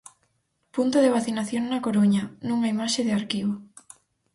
Punto de vacinación na Coruña, nunha imaxe de arquivo.